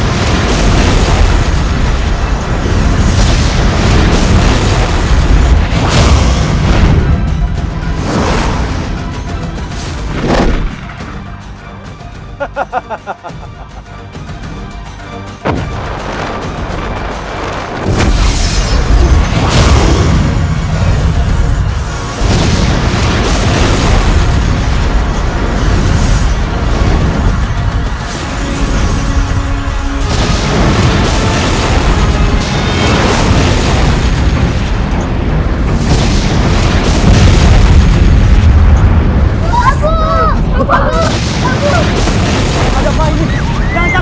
kau patah sampai di perafaikannya